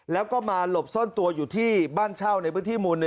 แล้วก็มาหลบซ่อนตัวอยู่ที่บ้านเช่าในพื้นที่หมู่๑